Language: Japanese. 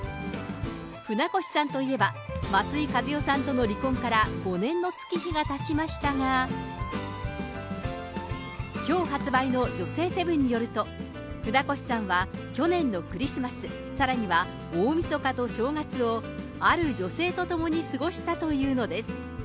船越さんといえば、松居一代さんとの離婚から５年の月日がたちましたが、きょう発売の女性セブンによると、船越さんは去年のクリスマス、さらには大みそかと正月を、ある女性と共に過ごしたというのです。